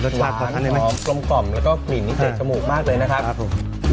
สวานสอบกลมแล้วก็กลิ่นนิดเศษจมูกมากเลยนะครับ